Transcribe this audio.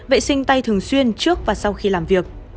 vệ sinh tay thường xuyên trước và sau khi làm việc